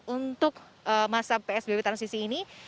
untuk masa psbb transisi ini